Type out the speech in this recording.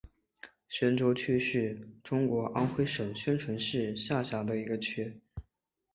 宣州区是中国安徽省宣城市下辖的一个区。